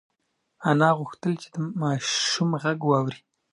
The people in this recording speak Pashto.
انا غوښتل چې د ماشوم غږ واوري.